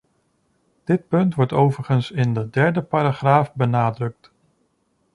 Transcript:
Dit punt wordt overigens in de derde paragraaf benadrukt.